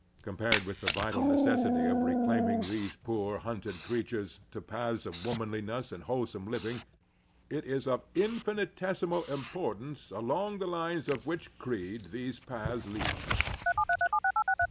Compared with the vital necessity of reclaiming these poor hunted creatures to paths of womanliness and wholesome living, it is of infinitesimal importance along the lines of which creed these paths lead.